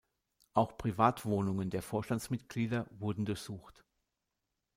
Auch Privatwohnungen der Vorstandsmitglieder wurden durchsucht.